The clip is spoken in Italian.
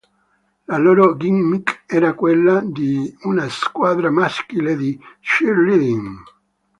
La loro "gimmick" era quella di una squadra maschile di "cheerleading".